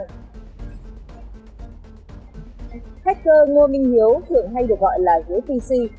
hacker ngô minh hiếu thường hay được gọi là ghế pc